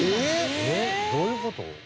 えっどういう事？